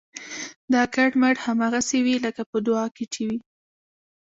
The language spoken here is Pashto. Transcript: دا کټ مټ هماغسې وي لکه په دعا کې چې وي.